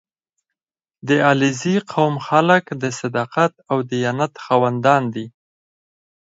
• د علیزي قوم خلک د صداقت او دیانت خاوندان دي.